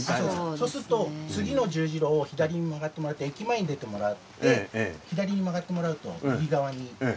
そうすると次の十字路を左に曲がってもらって駅前に出てもらって左に曲がってもらうと右側に喫茶店はありますけれども。